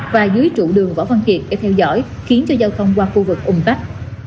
và dưới trụ đường võ văn kiệt để theo dõi khiến cho giao thông qua khu vực ủng tắc